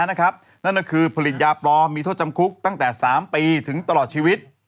นั่นก็คือผลิตยาปลอมมีโทษจำคุกตั้งแต่๓ปีถึงตลอดชีวิต